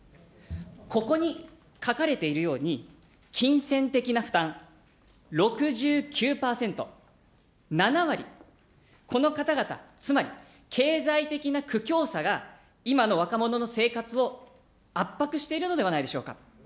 ここに書かれているように、金銭的な負担、６９％、７割、この方々、つまり、経済的な苦境さが、今の若者の生活を圧迫しているのではないでしょうか。